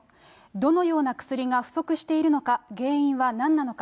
どのような薬が不足しているのか、原因はなんなのか。